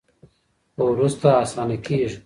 خو وروسته اسانه کیږي.